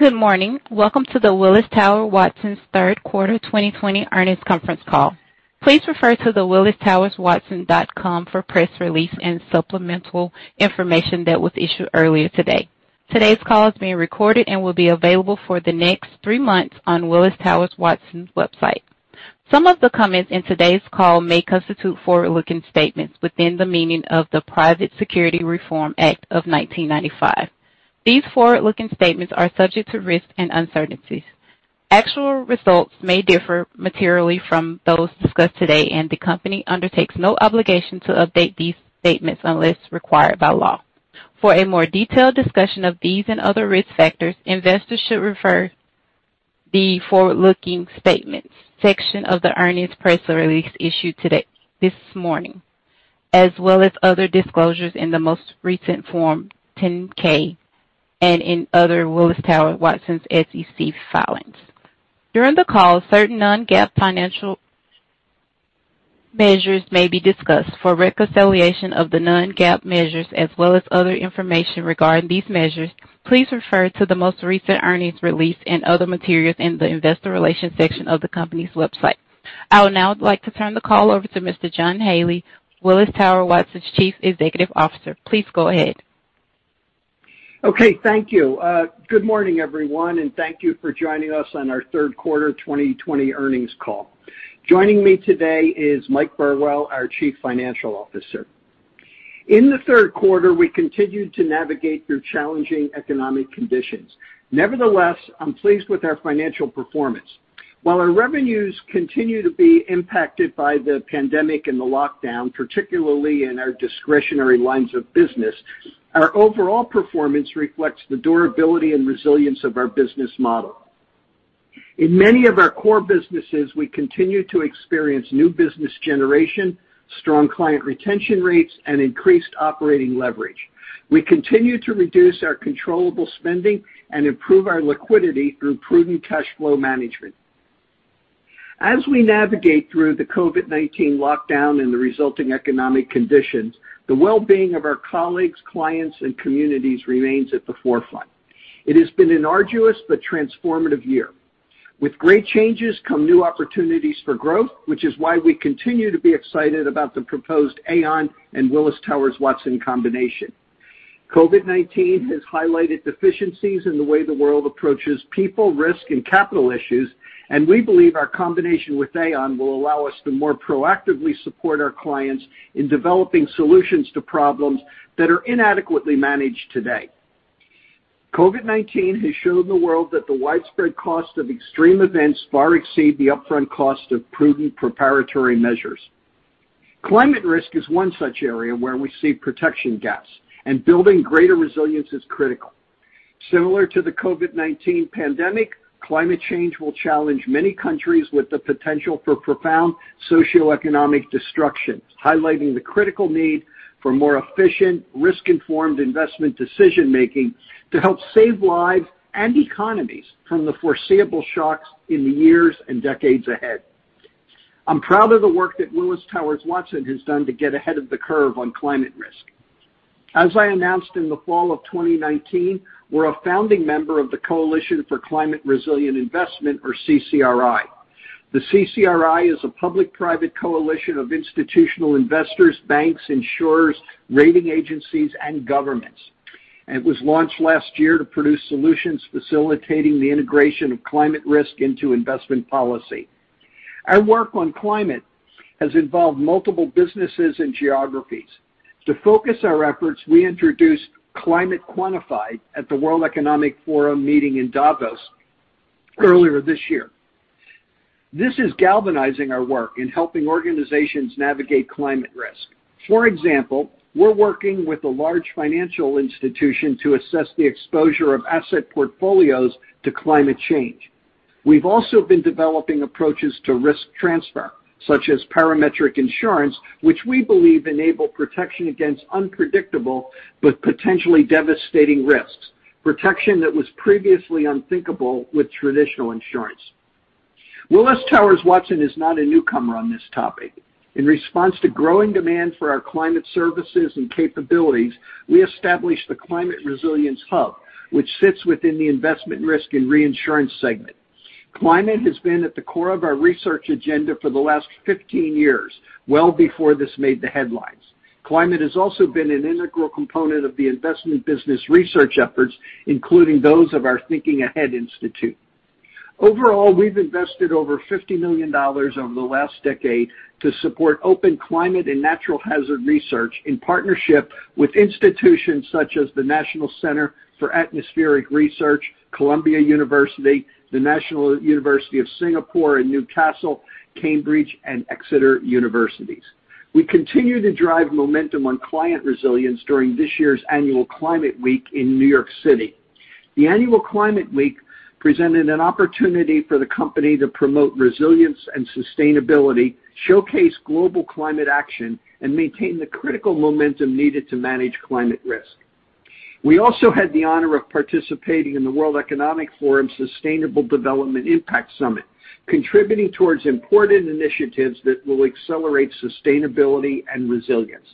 Good morning. Welcome to the Willis Towers Watson third quarter 2020 earnings conference call. Please refer to the willistowerswatson.com for press release and supplemental information that was issued earlier today. Today's call is being recorded and will be available for the next three months on Willis Towers Watson's website. Some of the comments in today's call may constitute forward-looking statements within the meaning of the Private Securities Litigation Reform Act of 1995. These forward-looking statements are subject to risks and uncertainties. Actual results may differ materially from those discussed today, and the company undertakes no obligation to update these statements unless required by law. For a more detailed discussion of these and other risk factors, investors should refer the forward-looking statements section of the earnings press release issued today, this morning, as well as other disclosures in the most recent Form 10-K and in other Willis Towers Watson SEC filings. During the call, certain non-GAAP financial measures may be discussed. For reconciliation of the non-GAAP measures, as well as other information regarding these measures, please refer to the most recent earnings release and other materials in the investor relations section of the company's website. I would now like to turn the call over to Mr. John Haley, Willis Towers Watson's Chief Executive Officer. Please go ahead. Okay, thank you. Good morning, everyone, and thank you for joining us on our third quarter 2020 earnings call. Joining me today is Mike Burwell, our Chief Financial Officer. In the third quarter, we continued to navigate through challenging economic conditions. Nevertheless, I'm pleased with our financial performance. While our revenues continue to be impacted by the pandemic and the lockdown, particularly in our discretionary lines of business, our overall performance reflects the durability and resilience of our business model. In many of our core businesses, we continue to experience new business generation, strong client retention rates, and increased operating leverage. We continue to reduce our controllable spending and improve our liquidity through prudent cash flow management. As we navigate through the COVID-19 lockdown and the resulting economic conditions, the well-being of our colleagues, clients, and communities remains at the forefront. It has been an arduous but transformative year. With great changes come new opportunities for growth, which is why we continue to be excited about the proposed Aon and Willis Towers Watson combination. COVID-19 has highlighted deficiencies in the way the world approaches people, risk, and capital issues, and we believe our combination with Aon will allow us to more proactively support our clients in developing solutions to problems that are inadequately managed today. COVID-19 has shown the world that the widespread cost of extreme events far exceed the upfront cost of prudent preparatory measures. Climate risk is one such area where we see protection gaps, and building greater resilience is critical. Similar to the COVID-19 pandemic, climate change will challenge many countries with the potential for profound socioeconomic destruction, highlighting the critical need for more efficient, risk-informed investment decision-making to help save lives and economies from the foreseeable shocks in the years and decades ahead. I'm proud of the work that Willis Towers Watson has done to get ahead of the curve on climate risk. As I announced in the fall of 2019, we're a founding member of the Coalition for Climate Resilient Investment, or CCRI. The CCRI is a public-private coalition of institutional investors, banks, insurers, rating agencies, and governments. It was launched last year to produce solutions facilitating the integration of climate risk into investment policy. Our work on climate has involved multiple businesses and geographies. To focus our efforts, we introduced Climate Quantified at the World Economic Forum meeting in Davos earlier this year. This is galvanizing our work in helping organizations navigate climate risk. For example, we're working with a large financial institution to assess the exposure of asset portfolios to climate change. We've also been developing approaches to risk transfer, such as parametric insurance, which we believe enable protection against unpredictable but potentially devastating risks, protection that was previously unthinkable with traditional insurance. Willis Towers Watson is not a newcomer on this topic. In response to growing demand for our climate services and capabilities, we established the Climate Resilience Hub, which sits within the investment risk and re-insurance segment. Climate has been at the core of our research agenda for the last 15 years, well before this made the headlines. Climate has also been an integral component of the investment business research efforts, including those of our Thinking Ahead Institute. Overall, we've invested over $50 million over the last decade to support open climate and natural hazard research in partnership with institutions such as the National Center for Atmospheric Research, Columbia University, the National University of Singapore in Newcastle, Cambridge, and Exeter Universities. We continue to drive momentum on client resilience during this year's annual Climate Week in New York City. The annual Climate Week presented an opportunity for the company to promote resilience and sustainability, showcase global climate action, and maintain the critical momentum needed to manage climate risk. We also had the honor of participating in the World Economic Forum Sustainable Development Impact Summit, contributing towards important initiatives that will accelerate sustainability and resilience.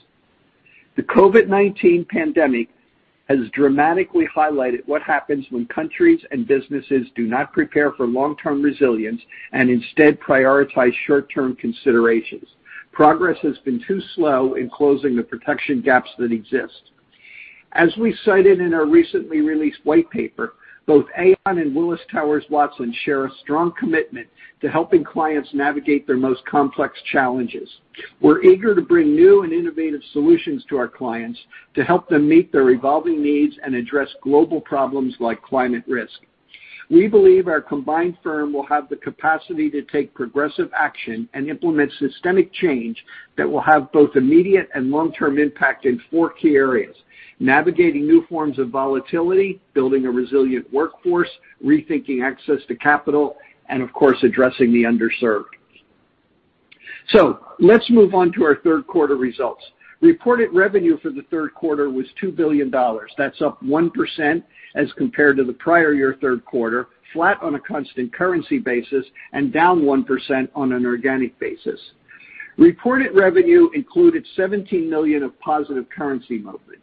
The COVID-19 pandemic has dramatically highlighted what happens when countries and businesses do not prepare for long-term resilience and instead prioritize short-term considerations. Progress has been too slow in closing the protection gaps that exist. As we cited in our recently released white paper, both Aon and Willis Towers Watson share a strong commitment to helping clients navigate their most complex challenges. We're eager to bring new and innovative solutions to our clients to help them meet their evolving needs and address global problems like climate risk. We believe our combined firm will have the capacity to take progressive action and implement systemic change that will have both immediate and long-term impact in four key areas: navigating new forms of volatility, building a resilient workforce, rethinking access to capital, and of course, addressing the underserved. Let's move on to our third quarter results. Reported revenue for the third quarter was $2 billion. That's up 1% as compared to the prior year third quarter, flat on a constant currency basis, and down 1% on an organic basis. Reported revenue included $17 million of positive currency movement.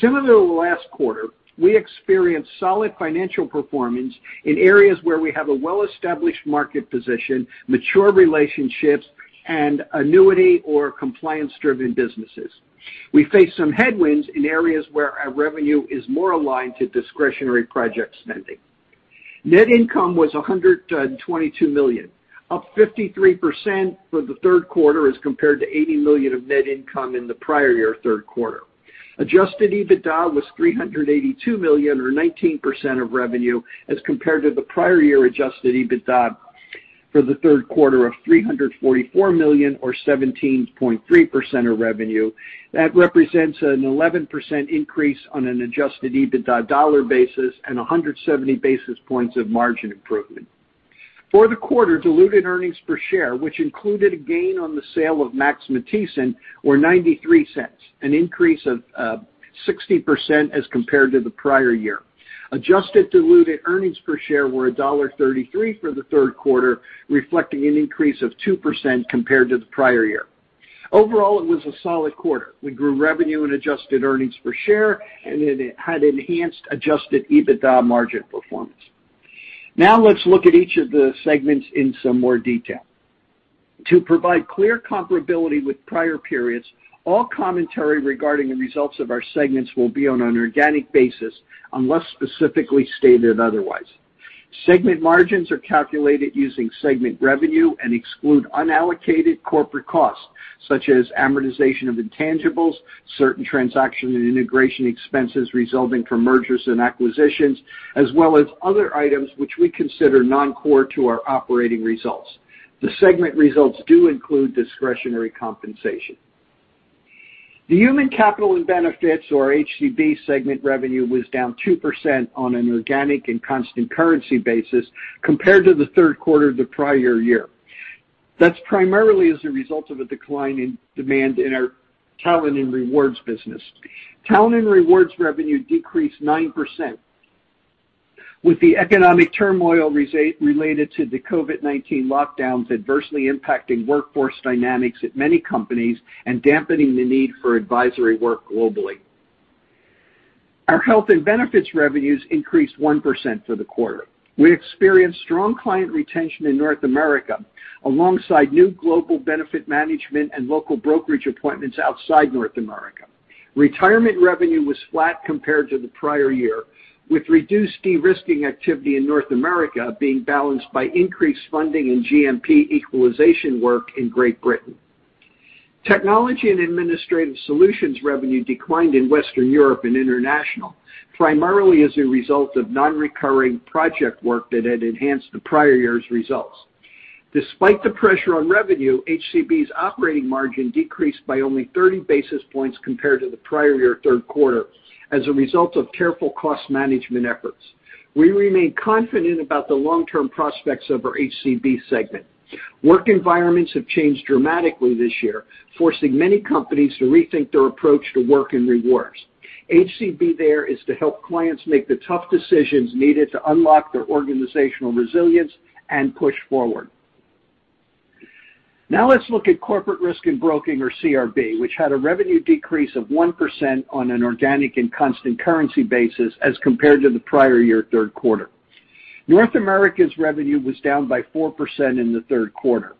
Similar to last quarter, we experienced solid financial performance in areas where we have a well-established market position, mature relationships, and annuity or compliance-driven businesses. We face some headwinds in areas where our revenue is more aligned to discretionary project spending. Net income was $122 million, up 53% for the third quarter as compared to $80 million of net income in the prior year third quarter. Adjusted EBITDA was $382 million, or 19% of revenue, as compared to the prior year Adjusted EBITDA for the third quarter of $344 million, or 17.3% of revenue. That represents an 11% increase on an Adjusted EBITDA dollar basis and 170 basis points of margin improvement. For the quarter, diluted earnings per share, which included a gain on the sale of Max Matthiessen, were $0.93, an increase of 16% as compared to the prior year. Adjusted diluted earnings per share were $1.33 for the third quarter, reflecting an increase of 2% compared to the prior year. Overall, it was a solid quarter. We grew revenue and adjusted earnings per share, and it had enhanced Adjusted EBITDA margin performance. Let's look at each of the segments in some more detail. To provide clear comparability with prior periods, all commentary regarding the results of our segments will be on an organic basis unless specifically stated otherwise. Segment margins are calculated using segment revenue and exclude unallocated corporate costs such as amortization of intangibles, certain transaction and integration expenses resulting from mergers and acquisitions, as well as other items which we consider non-core to our operating results. The segment results do include discretionary compensation. The Human Capital & Benefits or HCB segment revenue was down 2% on an organic and constant currency basis compared to the third quarter of the prior year. That's primarily as a result of a decline in demand in our Talent & Rewards business. Talent & Rewards revenue decreased 9% with the economic turmoil related to the COVID-19 lockdowns adversely impacting workforce dynamics at many companies and dampening the need for advisory work globally. Our health and benefits revenues increased 1% for the quarter. We experienced strong client retention in North America alongside new global benefit management and local brokerage appointments outside North America. Retirement revenue was flat compared to the prior year, with reduced de-risking activity in North America being balanced by increased funding in GMP equalization work in Great Britain. Technology and administrative solutions revenue declined in Western Europe and international, primarily as a result of non-recurring project work that had enhanced the prior year's results. Despite the pressure on revenue, HCB's operating margin decreased by only 30 basis points compared to the prior year third quarter as a result of careful cost management efforts. We remain confident about the long-term prospects of our HCB segment. Work environments have changed dramatically this year, forcing many companies to rethink their approach to work and rewards. HCB there is to help clients make the tough decisions needed to unlock their organizational resilience and push forward. Let's look at corporate risk and broking or CRB, which had a revenue decrease of 1% on an organic and constant currency basis as compared to the prior year third quarter. North America's revenue was down by 4% in the third quarter.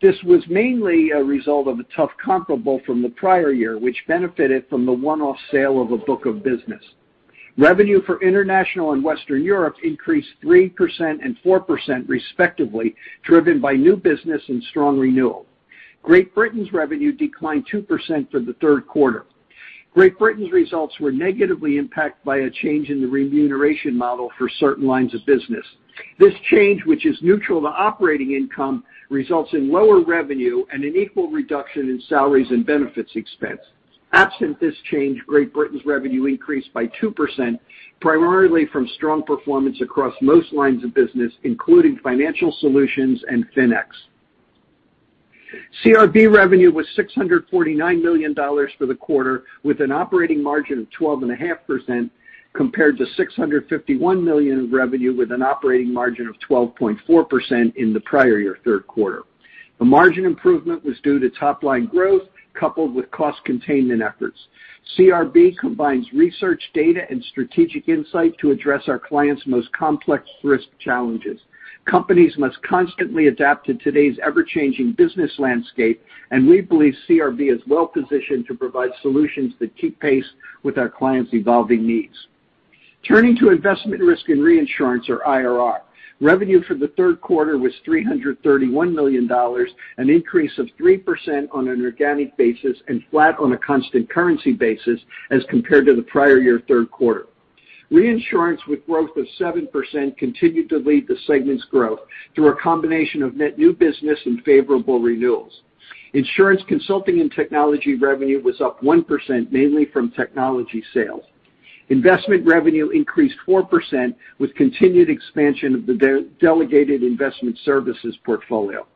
This was mainly a result of a tough comparable from the prior year, which benefited from the one-off sale of a book of business. Revenue for international and Western Europe increased 3% and 4% respectively, driven by new business and strong renewal. Great Britain's revenue declined 2% for the third quarter. Great Britain's results were negatively impacted by a change in the remuneration model for certain lines of business. This change, which is neutral to operating income, results in lower revenue and an equal reduction in salaries and benefits expense. Absent this change, Great Britain's revenue increased by 2%, primarily from strong performance across most lines of business, including financial solutions and FINEX. CRB revenue was $649 million for the quarter with an operating margin of 12.5%, compared to $651 million in revenue with an operating margin of 12.4% in the prior year third quarter. The margin improvement was due to top-line growth, coupled with cost containment efforts. CRB combines research data and strategic insight to address our clients' most complex risk challenges. Companies must constantly adapt to today's ever-changing business landscape, and we believe CRB is well-positioned to provide solutions that keep pace with our clients' evolving needs. Turning to Investment Risk and Reinsurance, or IRR. Revenue for the third quarter was $331 million, an increase of 3% on an organic basis and flat on a constant currency basis as compared to the prior year third quarter. Reinsurance with growth of 7% continued to lead the segment's growth through a combination of net new business and favorable renewals. Insurance consulting and technology revenue was up 1%, mainly from technology sales. Investment revenue increased 4% with continued expansion of the delegated investment services portfolio.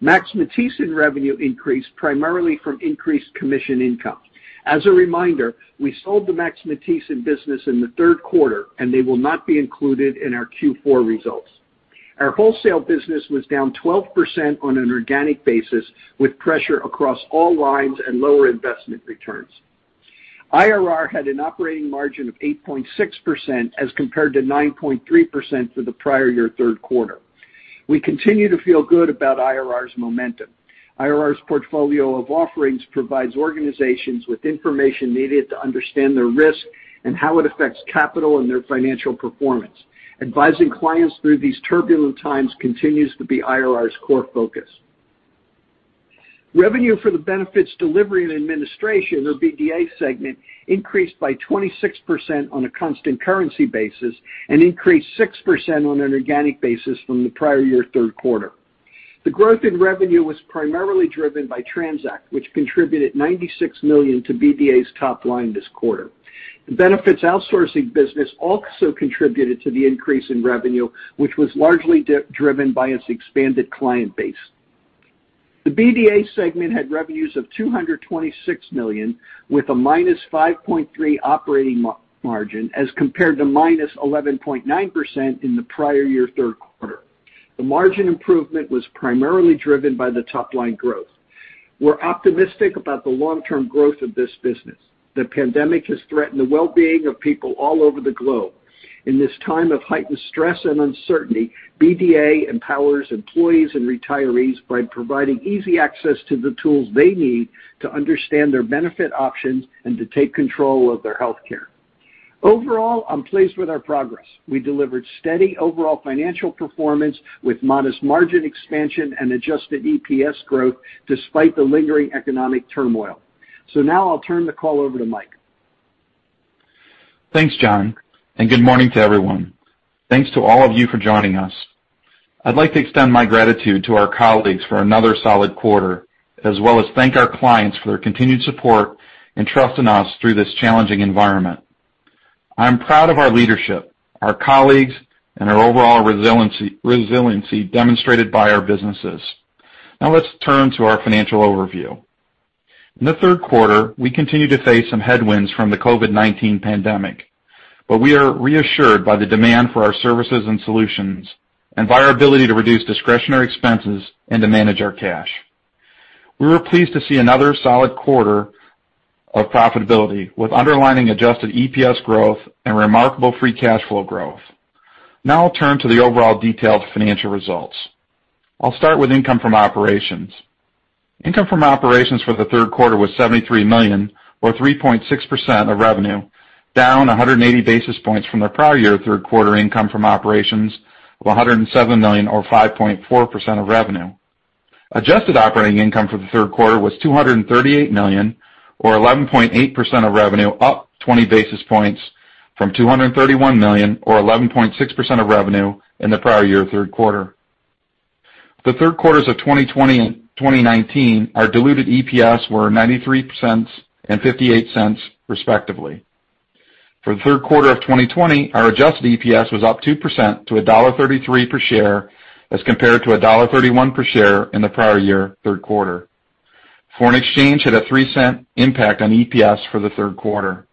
Max Matthiessen revenue increased primarily from increased commission income. As a reminder, we sold the Max Matthiessen business in the third quarter, and they will not be included in our Q4 results. Our wholesale business was down 12% on an organic basis, with pressure across all lines and lower investment returns. IRR had an operating margin of 8.6% as compared to 9.3% for the prior year third quarter. We continue to feel good about IRR's momentum. IRR's portfolio of offerings provides organizations with information needed to understand their risk and how it affects capital and their financial performance. Advising clients through these turbulent times continues to be IRR's core focus. Revenue for the Benefits Delivery and Administration, or BDA segment, increased by 26% on a constant currency basis and increased 6% on an organic basis from the prior year third quarter. The growth in revenue was primarily driven by TRANZACT, which contributed $96 million to BDA's top line this quarter. The benefits outsourcing business also contributed to the increase in revenue, which was largely driven by its expanded client base. The BDA segment had revenues of $226 million, with a -5.3% operating margin, as compared to -11.9% in the prior year third quarter. The margin improvement was primarily driven by the top-line growth. We're optimistic about the long-term growth of this business. The pandemic has threatened the well-being of people all over the globe. In this time of heightened stress and uncertainty, BDA empowers employees and retirees by providing easy access to the tools they need to understand their benefit options and to take control of their healthcare. Overall, I'm pleased with our progress. We delivered steady overall financial performance with modest margin expansion and adjusted EPS growth despite the lingering economic turmoil. Now I'll turn the call over to Mike. Thanks, John, and good morning to everyone. Thanks to all of you for joining us. I'd like to extend my gratitude to our colleagues for another solid quarter, as well as thank our clients for their continued support and trust in us through this challenging environment. I'm proud of our leadership, our colleagues, and our overall resiliency demonstrated by our businesses. Now let's turn to our financial overview. In the third quarter, we continued to face some headwinds from the COVID-19 pandemic, but we are reassured by the demand for our services and solutions and by our ability to reduce discretionary expenses and to manage our cash. We were pleased to see another solid quarter of profitability with underlying adjusted EPS growth and remarkable free cash flow growth. Now I'll turn to the overall detailed financial results. I'll start with income from operations. Income from operations for the third quarter was $73 million or 3.6% of revenue, down 180 basis points from the prior year third quarter income from operations of $107 million or 5.4% of revenue. Adjusted operating income for the third quarter was $238 million or 11.8% of revenue up 20 basis points from $231 million or 11.6% of revenue in the prior year third quarter. The third quarters of 2020 and 2019, our diluted EPS were $0.93 and $0.58 respectively. For the third quarter of 2020, our adjusted EPS was up 2% to $1.33 per share as compared to $1.31 per share in the prior year third quarter. Foreign exchange had a $0.03 impact on EPS for the third quarter.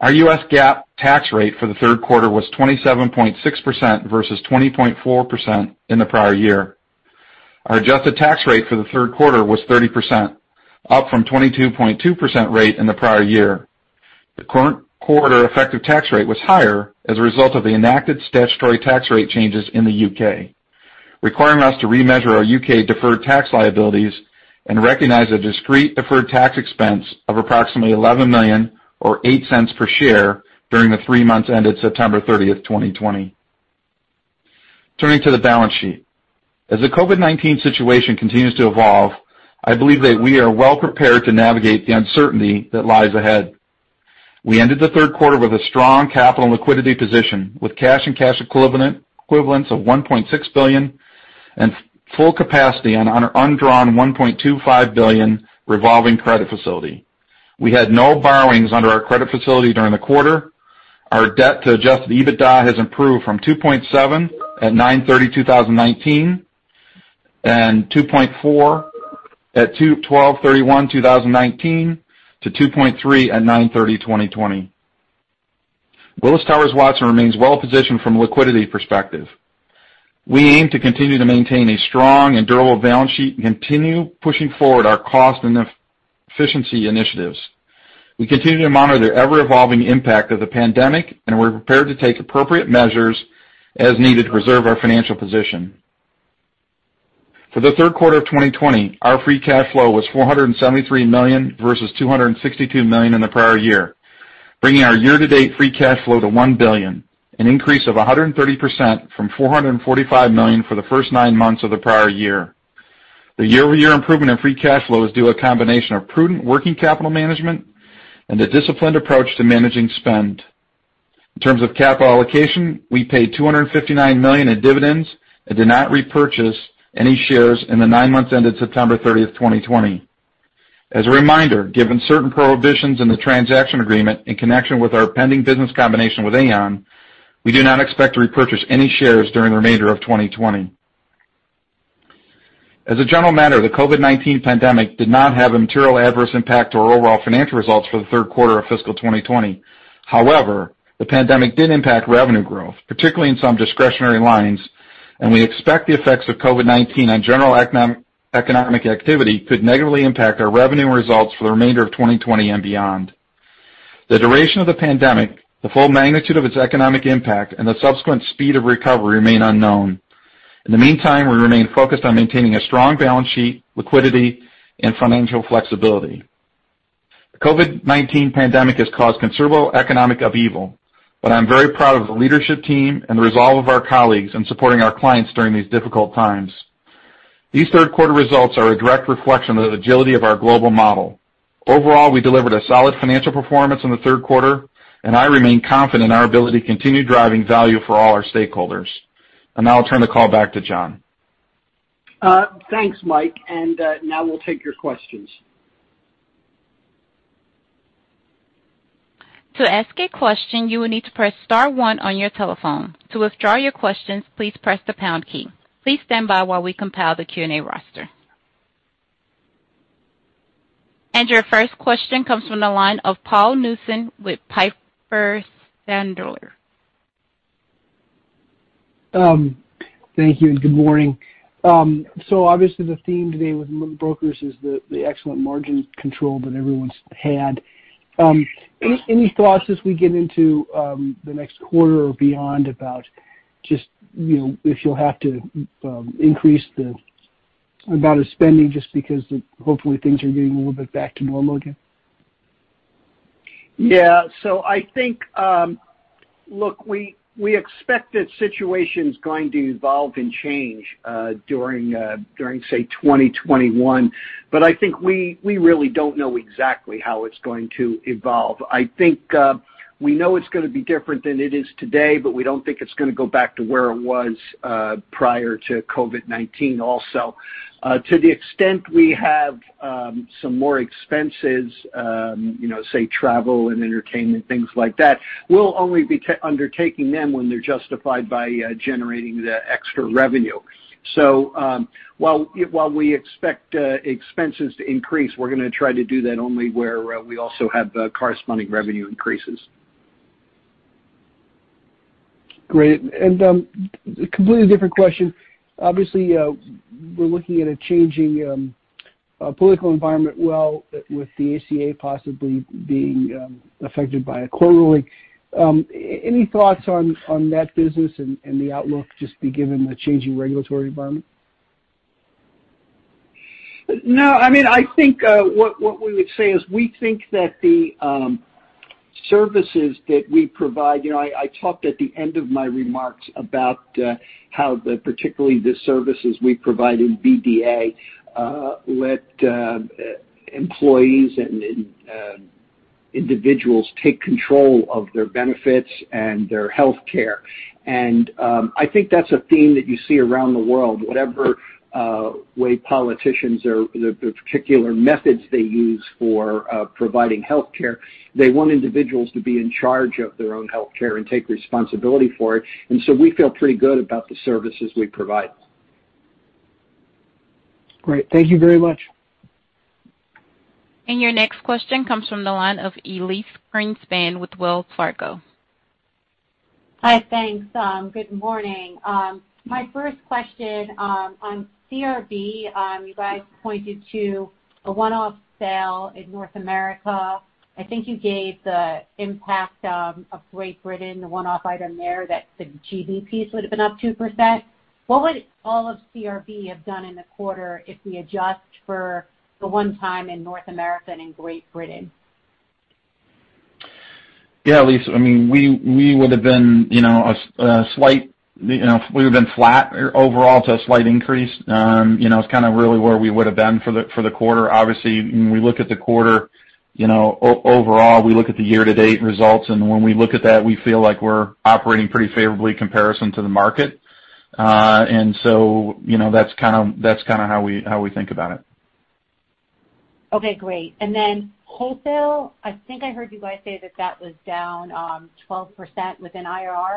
Our U.S. GAAP tax rate for the third quarter was 27.6% versus 20.4% in the prior year. Our adjusted tax rate for the third quarter was 30%, up from 22.2% rate in the prior year. The current quarter effective tax rate was higher as a result of the enacted statutory tax rate changes in the U.K., requiring us to remeasure our U.K. deferred tax liabilities and recognize a discrete deferred tax expense of approximately $11 million or $0.08 per share during the three months ended September 30th, 2020. Turning to the balance sheet. As the COVID-19 situation continues to evolve, I believe that we are well prepared to navigate the uncertainty that lies ahead. We ended the third quarter with a strong capital and liquidity position, with cash and cash equivalents of $1.6 billion and full capacity on our undrawn $1.25 billion revolving credit facility. We had no borrowings under our credit facility during the quarter. Our debt to Adjusted EBITDA has improved from 2.7 at 9/30/2019, and 2.4 at 12/31/2019, to 2.3 at 9/30/2020. Willis Towers Watson remains well-positioned from a liquidity perspective. We aim to continue to maintain a strong and durable balance sheet and continue pushing forward our cost and efficiency initiatives. We continue to monitor the ever-evolving impact of the pandemic, and we're prepared to take appropriate measures as needed to preserve our financial position. For the third quarter of 2020, our free cash flow was $473 million, versus $262 million in the prior year, bringing our year-to-date free cash flow to $1 billion, an increase of 130% from $445 million for the first nine months of the prior year. The year-over-year improvement in free cash flow is due to a combination of prudent working capital management and a disciplined approach to managing spend. In terms of capital allocation, we paid $259 million in dividends and did not repurchase any shares in the nine months ended September 30th, 2020. As a reminder, given certain prohibitions in the transaction agreement in connection with our pending business combination with Aon, we do not expect to repurchase any shares during the remainder of 2020. As a general matter, the COVID-19 pandemic did not have a material adverse impact to our overall financial results for the third quarter of fiscal 2020. The pandemic did impact revenue growth, particularly in some discretionary lines, and we expect the effects of COVID-19 on general economic activity could negatively impact our revenue results for the remainder of 2020 and beyond. The duration of the pandemic, the full magnitude of its economic impact, and the subsequent speed of recovery remain unknown. In the meantime, we remain focused on maintaining a strong balance sheet, liquidity, and financial flexibility. The COVID-19 pandemic has caused considerable economic upheaval, but I'm very proud of the leadership team and the resolve of our colleagues in supporting our clients during these difficult times. These third quarter results are a direct reflection of the agility of our global model. We delivered a solid financial performance in the third quarter, and I remain confident in our ability to continue driving value for all our stakeholders. Now I'll turn the call back to John. Thanks, Mike, now we'll take your questions. To ask a question, you will need to press *1 on your telephone. To withdraw your questions, please press the # key. Please stand by while we compile the Q&A roster. Your first question comes from the line of Paul Newsome with Piper Sandler. Thank you and good morning. Obviously the theme today with brokers is the excellent margin control that everyone's had. Any thoughts as we get into the next quarter or beyond about just if you'll have to increase the amount of spending just because hopefully things are getting a little bit back to normal again? Yeah. I think, look, we expect that situation's going to evolve and change during, say, 2021, but I think we really don't know exactly how it's going to evolve. I think we know it's going to be different than it is today, but we don't think it's going to go back to where it was prior to COVID-19 also. To the extent we have some more expenses, say travel and entertainment, things like that, we'll only be undertaking them when they're justified by generating the extra revenue. While we expect expenses to increase, we're going to try to do that only where we also have corresponding revenue increases. Great. A completely different question. Obviously, we're looking at a changing political environment, with the ACA possibly being affected by a court ruling. Any thoughts on that business and the outlook, just given the changing regulatory environment? No. I think what we would say is we think that the services that we provide, I talked at the end of my remarks about how particularly the services we provide in BDA let employees and individuals take control of their benefits and their healthcare. I think that's a theme that you see around the world. Whatever way politicians or the particular methods they use for providing healthcare, they want individuals to be in charge of their own healthcare and take responsibility for it. So we feel pretty good about the services we provide. Great. Thank you very much. Your next question comes from the line of Elyse Greenspan with Wells Fargo. Hi, thanks. Good morning. My first question, on CRB, you guys pointed to a one-off sale in North America. I think you gave the impact of Great Britain, the one-off item there, that the GB would have been up 2%. What would all of CRB have done in the quarter if we adjust for the one time in North America and in Great Britain? Yeah, Elyse. We would have been flat overall to a slight increase. It's kind of really where we would have been for the quarter. Obviously, when we look at the quarter, overall, we look at the year-to-date results, and when we look at that, we feel like we're operating pretty favorably in comparison to the market. That's kind of how we think about it. Okay, great. Wholesale, I think I heard you guys say that was down 12% within IRR.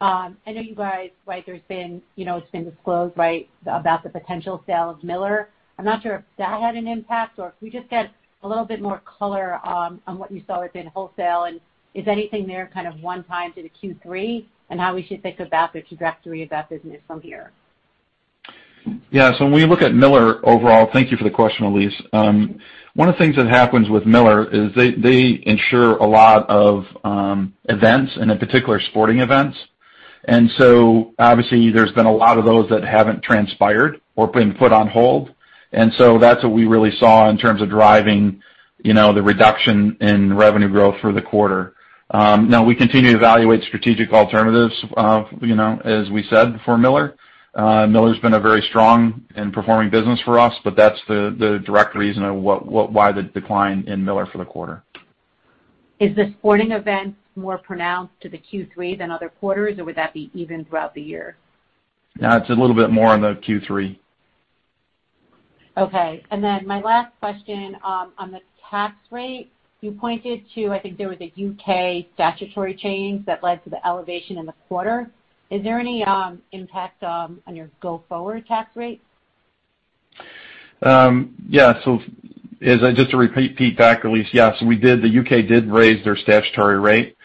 I know you guys, it's been disclosed, right? About the potential sale of Miller. I'm not sure if that had an impact or if we just get a little bit more color on what you saw within wholesale. Is anything there kind of one-timed into Q3? How we should think about the trajectory of that business from here? Yeah. When we look at Miller overall, thank you for the question, Elyse. One of the things that happens with Miller is they insure a lot of events, and in particular sporting events. Obviously there's been a lot of those that haven't transpired or been put on hold. That's what we really saw in terms of driving the reduction in revenue growth for the quarter. Now, we continue to evaluate strategic alternatives, as we said, for Miller. Miller's been a very strong and performing business for us, but that's the direct reason of why the decline in Miller for the quarter. Is the sporting event more pronounced to the Q3 than other quarters, or would that be even throughout the year? No, it's a little bit more on the Q3. Okay. My last question, on the tax rate, you pointed to, I think there was a U.K. statutory change that led to the elevation in the quarter. Is there any impact on your go-forward tax rate? Yeah. Just to repeat back, Elyse, yes, the U.K. did raise their statutory rate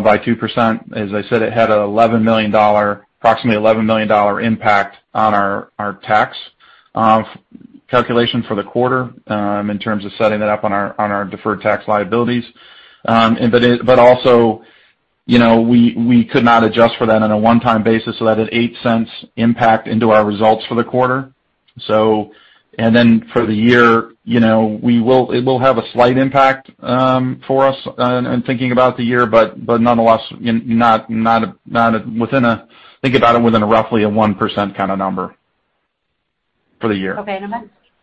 by 2%. As I said, it had approximately $11 million impact on our tax calculation for the quarter in terms of setting that up on our deferred tax liabilities. We could not adjust for that on a one-time basis, so that had $0.08 impact into our results for the quarter. For the year, it will have a slight impact for us in thinking about the year, but nonetheless, think about it within a roughly a 1% kind of number for the year. Okay.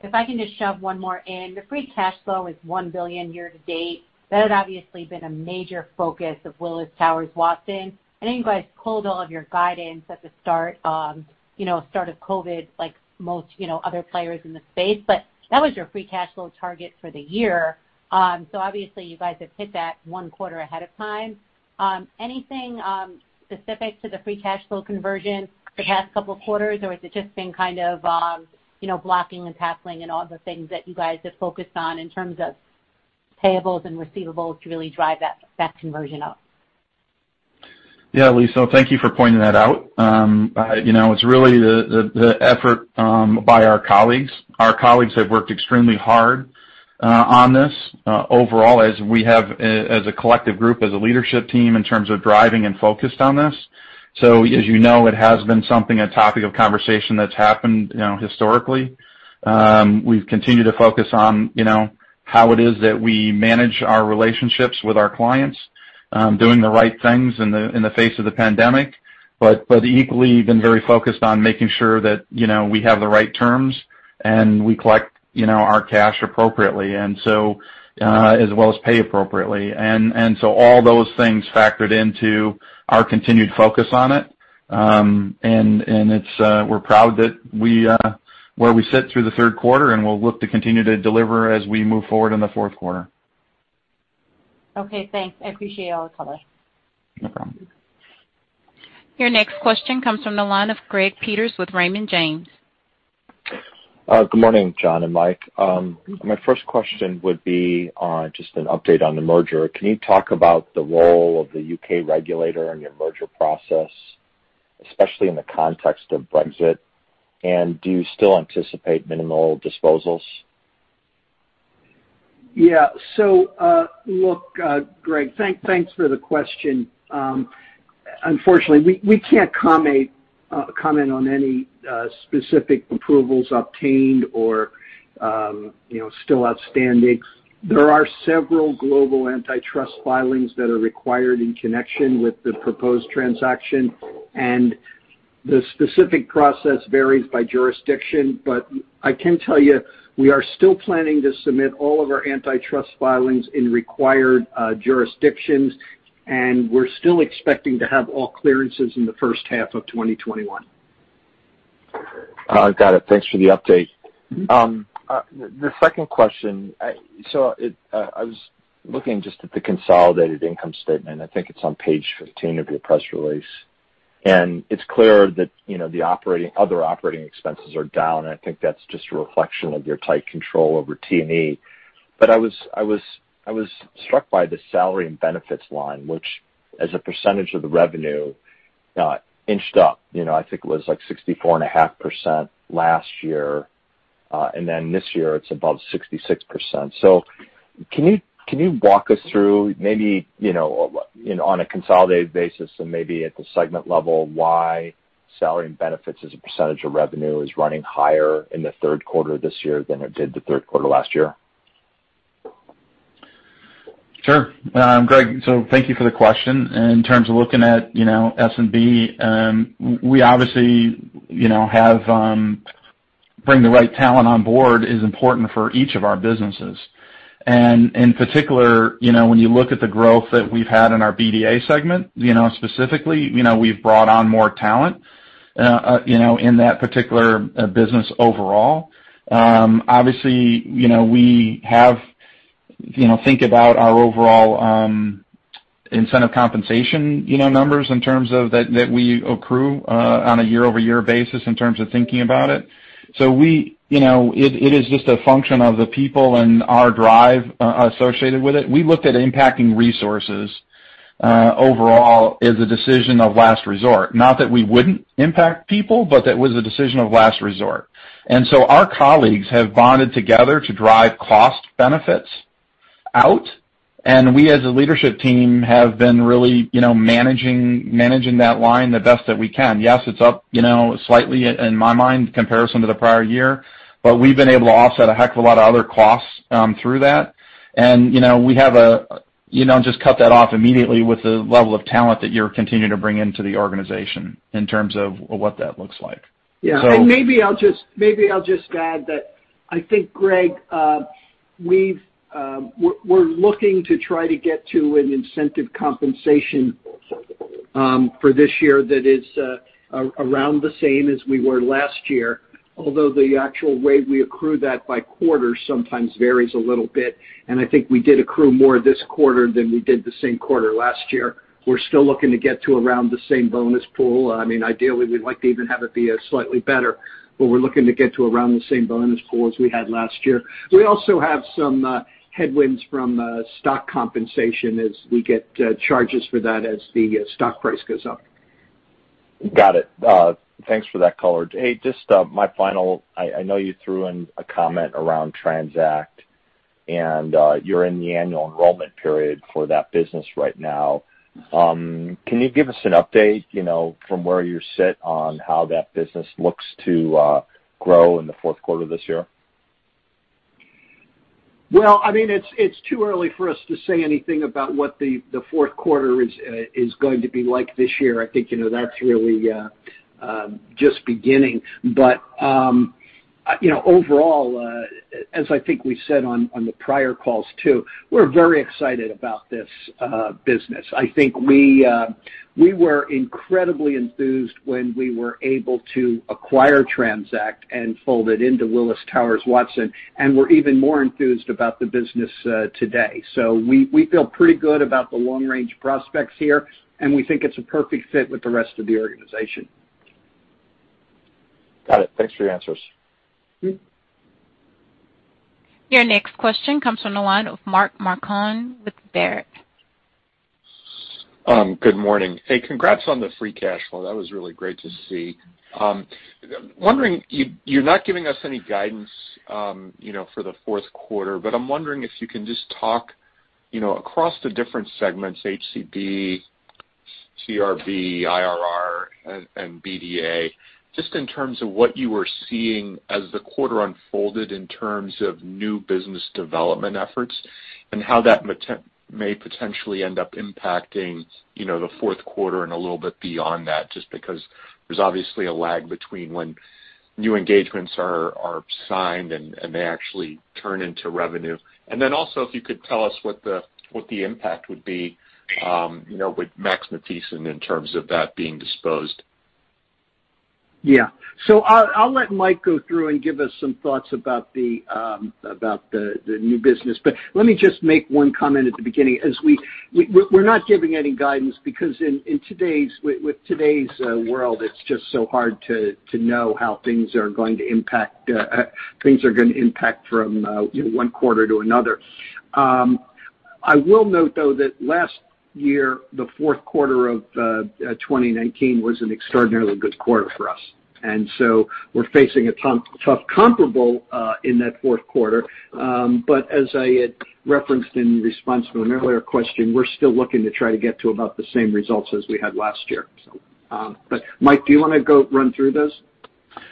If I can just shove one more in. The free cash flow is $1 billion year-to-date. That has obviously been a major focus of Willis Towers Watson. I know you guys pulled all of your guidance at the start of COVID, like most other players in the space, that was your free cash flow target for the year. Obviously you guys have hit that one quarter ahead of time. Anything specific to the free cash flow conversion the past couple of quarters, or has it just been kind of blocking and tackling and all the things that you guys have focused on in terms of payables and receivables to really drive that conversion up? Elyse, thank you for pointing that out. It's really the effort by our colleagues. Our colleagues have worked extremely hard on this overall as we have as a collective group, as a leadership team, in terms of driving and focused on this. As you know, it has been something, a topic of conversation that's happened historically. We've continued to focus on how it is that we manage our relationships with our clients, doing the right things in the face of the pandemic, but equally been very focused on making sure that we have the right terms and we collect our cash appropriately, and so as well as pay appropriately. All those things factored into our continued focus on it. We're proud where we sit through the third quarter, and we'll look to continue to deliver as we move forward in the fourth quarter. Okay, thanks. I appreciate all the color. No problem. Your next question comes from the line of Greg Peters with Raymond James. Good morning, John and Mike. My first question would be on just an update on the merger. Can you talk about the role of the U.K. regulator in your merger process, especially in the context of Brexit, and do you still anticipate minimal disposals? Yeah. Look, Greg, thanks for the question. Unfortunately, we can't comment on any specific approvals obtained or still outstanding. There are several global antitrust filings that are required in connection with the proposed transaction, the specific process varies by jurisdiction. I can tell you, we are still planning to submit all of our antitrust filings in required jurisdictions, we're still expecting to have all clearances in the first half of 2021. Got it. Thanks for the update. The second question, I was looking just at the consolidated income statement. I think it's on page 15 of your press release. It's clear that the other operating expenses are down, I think that's just a reflection of your tight control over T&E. I was struck by the salary and benefits line, which, as a percentage of the revenue, inched up. I think it was like 64.5% last year, this year it's above 66%. Can you walk us through maybe on a consolidated basis and maybe at the segment level why salary and benefits as a percentage of revenue is running higher in the third quarter this year than it did the third quarter last year? Sure. Greg, thank you for the question. In terms of looking at S&B, we obviously bring the right talent on board is important for each of our businesses. In particular, when you look at the growth that we've had in our BDA segment, specifically, we've brought on more talent in that particular business overall. Obviously, we have to think about our overall incentive compensation numbers in terms of that we accrue on a year-over-year basis in terms of thinking about it. It is just a function of the people and our drive associated with it. We looked at impacting resources overall as a decision of last resort. Not that we wouldn't impact people, that was a decision of last resort. Our colleagues have bonded together to drive cost benefits out, and we as a leadership team have been really managing that line the best that we can. Yes, it's up slightly in my mind in comparison to the prior year, but we've been able to offset a heck of a lot of other costs through that. We have just cut that off immediately with the level of talent that you're continuing to bring into the organization in terms of what that looks like. Maybe I'll just add that I think, Greg, we're looking to try to get to an incentive compensation for this year that is around the same as we were last year, although the actual way we accrue that by quarter sometimes varies a little bit, and I think we did accrue more this quarter than we did the same quarter last year. We're still looking to get to around the same bonus pool. Ideally, we'd like to even have it be slightly better, but we're looking to get to around the same bonus pool as we had last year. We also have some headwinds from stock compensation as we get charges for that as the stock price goes up. Got it. Thanks for that color. Just my final, I know you threw in a comment around TRANZACT, and you're in the annual enrollment period for that business right now. Can you give us an update from where you sit on how that business looks to grow in the fourth quarter this year? Well, it's too early for us to say anything about what the fourth quarter is going to be like this year. I think that's really just beginning. Overall, as I think we said on the prior calls, too, we're very excited about this business. I think we were incredibly enthused when we were able to acquire TRANZACT and fold it into Willis Towers Watson, and we're even more enthused about the business today. We feel pretty good about the long-range prospects here, and we think it's a perfect fit with the rest of the organization. Got it. Thanks for your answers. Your next question comes from the line of Mark Marcon with Baird. Good morning. Hey, congrats on the free cash flow. That was really great to see. You're not giving us any guidance for the fourth quarter, but I'm wondering if you can just talk across the different segments, HCB, CRB, IRR, and BDA, just in terms of what you were seeing as the quarter unfolded in terms of new business development efforts and how that may potentially end up impacting the fourth quarter and a little bit beyond that, just because there's obviously a lag between when new engagements are signed, and they actually turn into revenue. Also, if you could tell us what the impact would be with Max Matthiessen in terms of that being disposed. Yeah. I'll let Mike go through and give us some thoughts about the new business. Let me just make one comment at the beginning. We're not giving any guidance because with today's world, it's just so hard to know how things are going to impact from one quarter to another. I will note, though, that last year, the fourth quarter of 2019 was an extraordinarily good quarter for us, and so we're facing a tough comparable in that fourth quarter. As I had referenced in response to an earlier question, we're still looking to try to get to about the same results as we had last year. Mike, do you want to go run through those?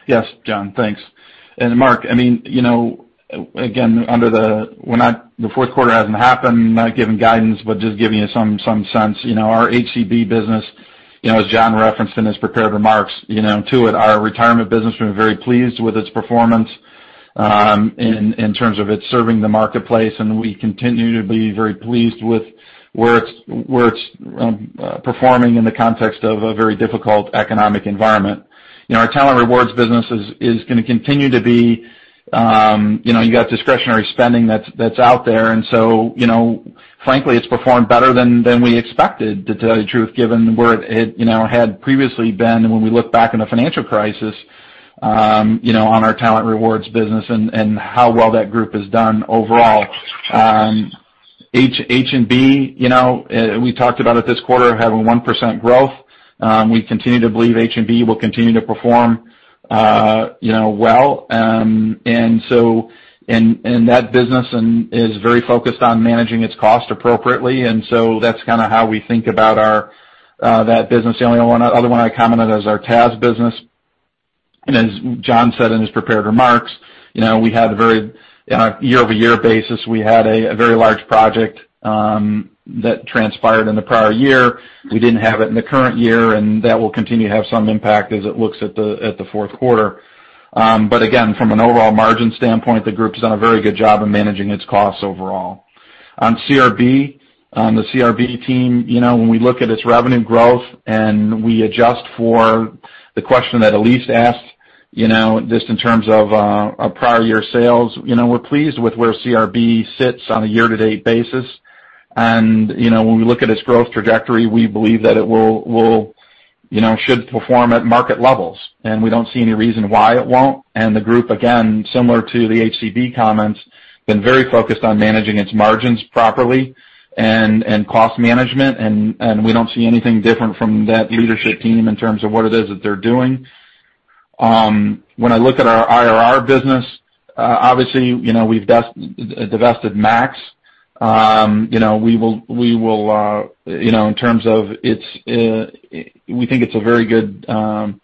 Yes, John. Thanks. Mark, again, the fourth quarter hasn't happened, not giving guidance, but just giving you some sense. Our HCB business, as John referenced in his prepared remarks to it, our retirement business, we're very pleased with its performance in terms of it serving the marketplace, and we continue to be very pleased with where it's performing in the context of a very difficult economic environment. Our Talent & Rewards business is going to continue to be You got discretionary spending that's out there, frankly, it's performed better than we expected, to tell you the truth, given where it had previously been when we look back on the financial crisis on our Talent & Rewards business and how well that group has done overall. H&B, we talked about it this quarter, having 1% growth. We continue to believe H&B will continue to perform well. That business is very focused on managing its cost appropriately, that's kind of how we think about that business. The only other one I commented is our TAS business, as John said in his prepared remarks, on a year-over-year basis, we had a very large project that transpired in the prior year. We didn't have it in the current year, that will continue to have some impact as it looks at the fourth quarter. Again, from an overall margin standpoint, the group has done a very good job of managing its costs overall. On CRB, the CRB team, when we look at its revenue growth and we adjust for the question that Elyse asked, just in terms of our prior year sales, we're pleased with where CRB sits on a year-to-date basis. When we look at its growth trajectory, we believe that it should perform at market levels, we don't see any reason why it won't. The group, again, similar to the HCB comments, been very focused on managing its margins properly and cost management, we don't see anything different from that leadership team in terms of what it is that they're doing. When I look at our IRR business, obviously, we've divested Max. We think it's a very good time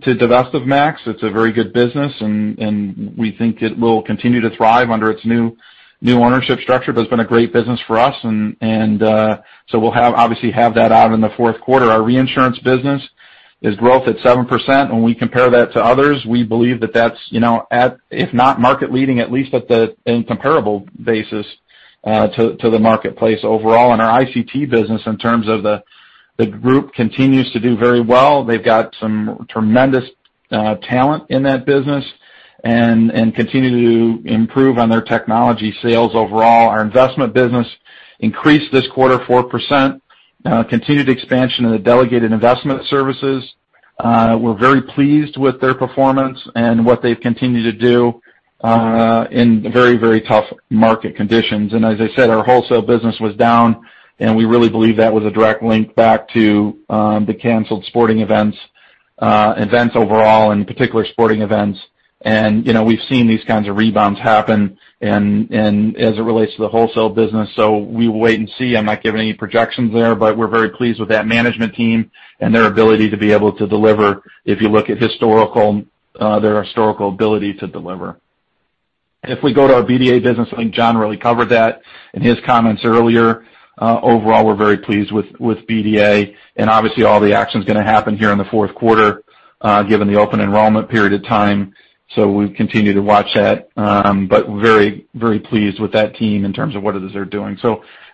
to divest of Max. It's a very good business, and we think it will continue to thrive under its new ownership structure, but it's been a great business for us. We'll obviously have that out in the fourth quarter. Our reinsurance business is growth at 7%. When we compare that to others, we believe that that's, if not market leading, at least in comparable basis to the marketplace overall. Our ICT business, in terms of the group, continues to do very well. They've got some tremendous talent in that business and continue to improve on their technology sales overall. Our investment business increased this quarter 4%, continued expansion in the delegated investment services. We're very pleased with their performance and what they've continued to do in very tough market conditions. As I said, our wholesale business was down, we really believe that was a direct link back to the canceled sporting events overall, and in particular, sporting events. We've seen these kinds of rebounds happen as it relates to the wholesale business. We will wait and see. I'm not giving any projections there, but we're very pleased with that management team and their ability to be able to deliver if you look at their historical ability to deliver. If we go to our BDA business, I think John really covered that in his comments earlier. Overall, we're very pleased with BDA, and obviously all the action's going to happen here in the fourth quarter, given the open enrollment period of time. We continue to watch that. Very pleased with that team in terms of what it is they're doing.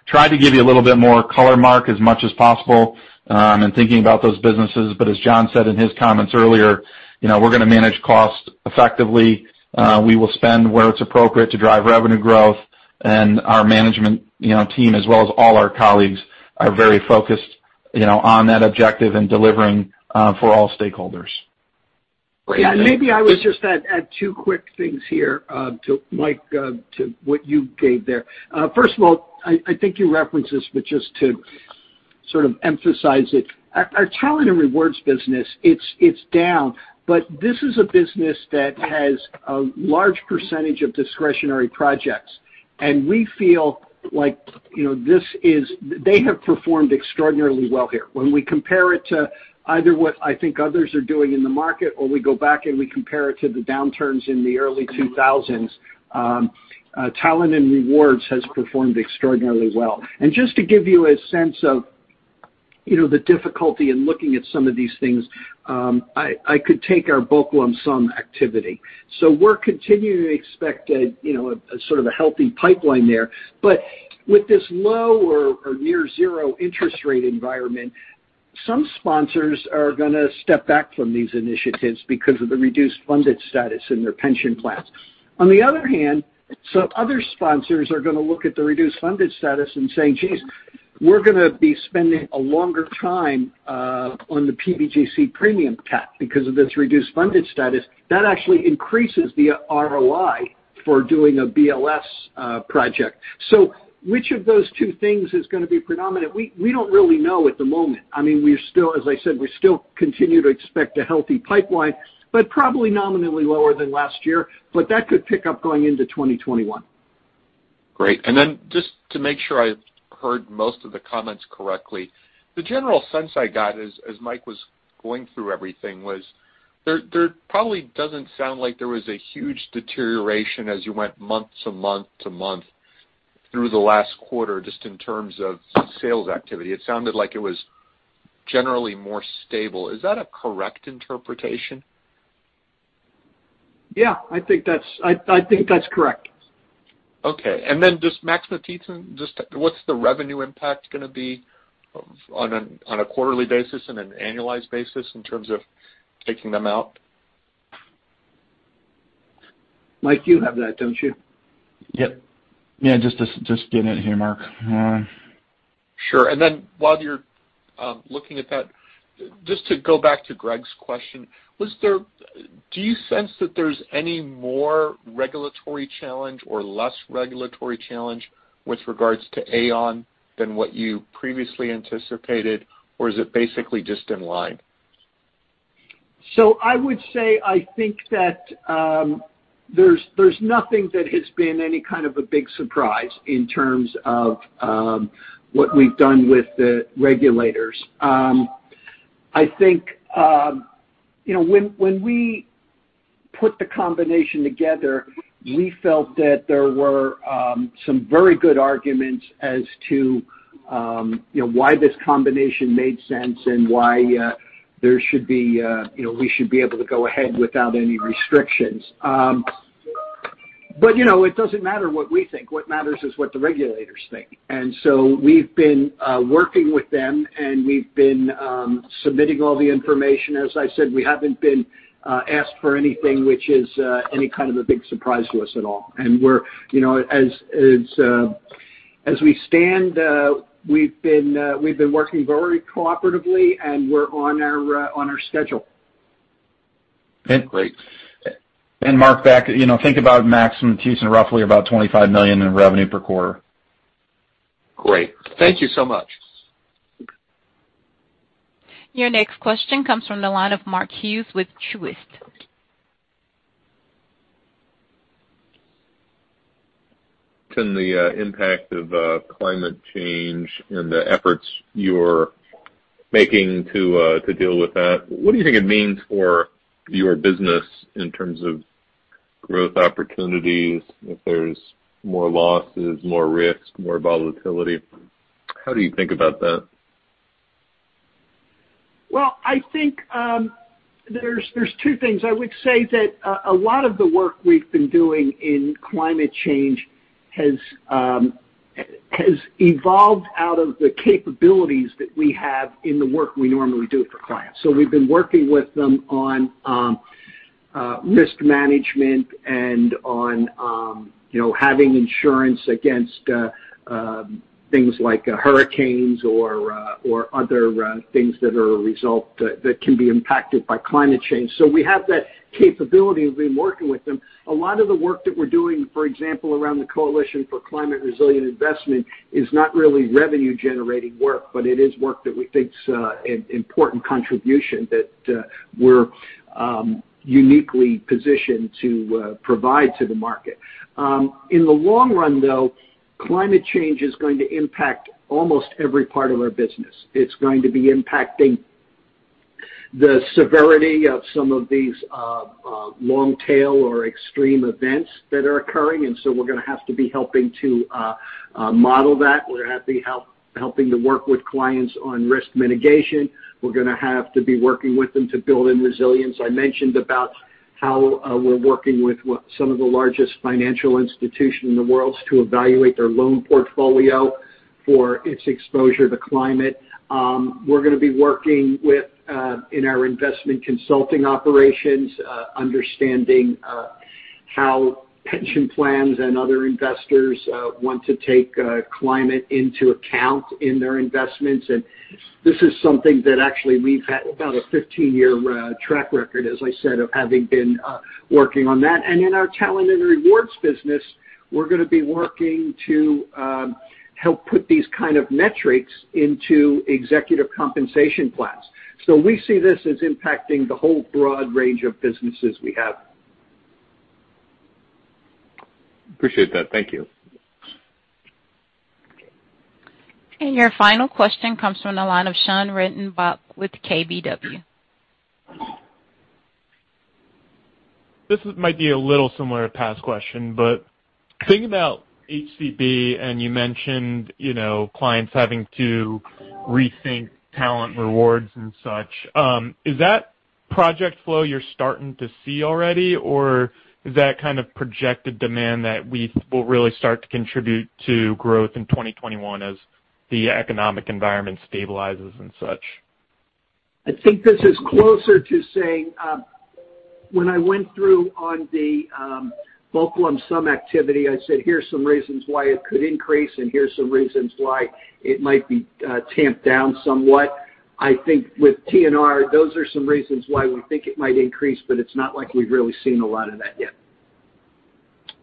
Tried to give you a little bit more color, Mark, as much as possible in thinking about those businesses. As John said in his comments earlier, we're going to manage cost effectively. We will spend where it's appropriate to drive revenue growth, and our management team, as well as all our colleagues, are very focused on that objective and delivering for all stakeholders. Maybe I would just add two quick things here, Mike, to what you gave there. First of all, I think you referenced this, but just to sort of emphasize it. Our Talent & Rewards business, it's down, but this is a business that has a large percentage of discretionary projects, and we feel like they have performed extraordinarily well here. When we compare it to either what I think others are doing in the market or we go back and we compare it to the downturns in the early 2000s, Talent & Rewards has performed extraordinarily well. Just to give you a sense of the difficulty in looking at some of these things, I could take our bulk lump sum activity. We're continuing to expect a sort of a healthy pipeline there. With this low or near zero interest rate environment, some sponsors are going to step back from these initiatives because of the reduced funded status in their pension plans. On the other hand, some other sponsors are going to look at the reduced funded status and say, "Geez, we're going to be spending a longer time on the PBGC premium cap because of this reduced funded status." That actually increases the ROI for doing a BLS project. Which of those two things is going to be predominant? We don't really know at the moment. As I said, we still continue to expect a healthy pipeline, but probably nominally lower than last year, but that could pick up going into 2021. Great. Then just to make sure I heard most of the comments correctly, the general sense I got as Mike was going through everything was there probably doesn't sound like there was a huge deterioration as you went month to month to month through the last quarter, just in terms of sales activity. It sounded like it was generally more stable. Is that a correct interpretation? Yeah, I think that's correct. Okay. Then just Max Matthiessen, just what's the revenue impact going to be on a quarterly basis and an annualized basis in terms of taking them out? Mike, you have that, don't you? Yep. Yeah, just getting it here, Mark. Hang on. Sure. While you're looking at that, just to go back to Greg's question, do you sense that there's any more regulatory challenge or less regulatory challenge with regards to Aon than what you previously anticipated, or is it basically just in line? I would say, I think that there's nothing that has been any kind of a big surprise in terms of what we've done with the regulators. I think when we put the combination together, we felt that there were some very good arguments as to why this combination made sense and why we should be able to go ahead without any restrictions. It doesn't matter what we think. What matters is what the regulators think. We've been working with them, and we've been submitting all the information. As I said, we haven't been asked for anything, which is any kind of a big surprise to us at all. As we stand, we've been working very cooperatively, and we're on our schedule. Great. Mark, back. Think about Max Matthiessen roughly about $25 million in revenue per quarter. Great. Thank you so much. Your next question comes from the line of Mark Hughes with Truist. Can the impact of climate change and the efforts you're making to deal with that, what do you think it means for your business in terms of growth opportunities, if there's more losses, more risks, more volatility? How do you think about that? Well, I think there's two things. I would say that a lot of the work we've been doing in climate change has evolved out of the capabilities that we have in the work we normally do for clients. We've been working with them on risk management and on having insurance against things like hurricanes or other things that can be impacted by climate change. We have that capability. We've been working with them. A lot of the work that we're doing, for example, around the Coalition for Climate Resilient Investment is not really revenue-generating work, but it is work that we think is an important contribution that we're uniquely positioned to provide to the market. In the long run, though, climate change is going to impact almost every part of our business. It's going to be impacting the severity of some of these long-tail or extreme events that are occurring, we're going to have to be helping to model that. We're helping to work with clients on risk mitigation. We're going to have to be working with them to build in resilience. I mentioned about how we're working with some of the largest financial institutions in the world to evaluate their loan portfolio for its exposure to climate. We're going to be working within our investment consulting operations, understanding how pension plans and other investors want to take climate into account in their investments. This is something that actually we've had about a 15-year track record, as I said, of having been working on that. In our Talent & Rewards business, we're going to be working to help put these kind of metrics into executive compensation plans. We see this as impacting the whole broad range of businesses we have. Appreciate that. Thank you. Your final question comes from the line of Meyer Shields with KBW. This might be a little similar to a past question, thinking about HCB, and you mentioned clients having to rethink Talent & Rewards and such, is that project flow you're starting to see already, or is that kind of projected demand that we will really start to contribute to growth in 2021 as the economic environment stabilizes and such? I think this is closer to saying when I went through on the bulk lump sum activity, I said, here's some reasons why it could increase, here's some reasons why it might be tamped down somewhat. I think with T&R, those are some reasons why we think it might increase, it's not like we've really seen a lot of that yet.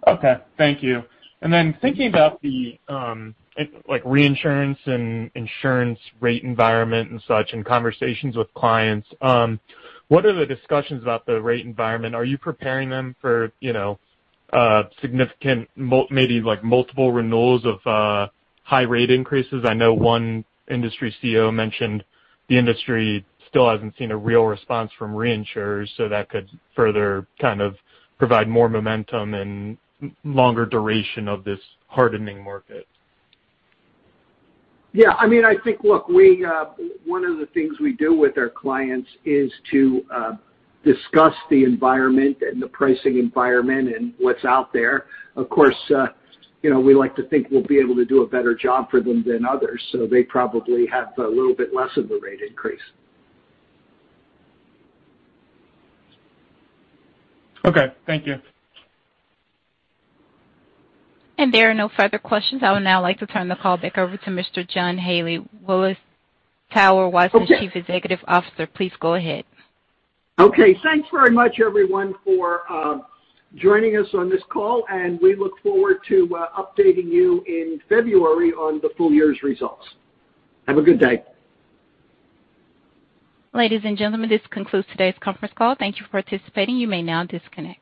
Okay. Thank you. Thinking about the reinsurance and insurance rate environment and such, and conversations with clients, what are the discussions about the rate environment? Are you preparing them for significant, maybe multiple renewals of high rate increases? I know one industry CEO mentioned the industry still hasn't seen a real response from reinsurers, that could further kind of provide more momentum and longer duration of this hardening market. Yeah. I think one of the things we do with our clients is to discuss the environment and the pricing environment and what's out there. Of course, we like to think we'll be able to do a better job for them than others, they probably have a little bit less of a rate increase. Okay. Thank you. There are no further questions. I would now like to turn the call back over to Mr. John Haley, Willis Towers Watson's chief executive officer. Please go ahead. Okay. Thanks very much, everyone, for joining us on this call, and we look forward to updating you in February on the full year's results. Have a good day. Ladies and gentlemen, this concludes today's conference call. Thank you for participating. You may now disconnect.